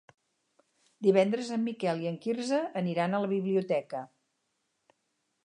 Divendres en Miquel i en Quirze aniran a la biblioteca.